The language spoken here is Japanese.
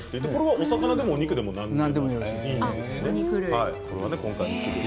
お魚でもお肉でも何でもいいんですね。